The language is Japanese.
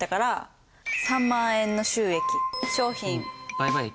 売買益？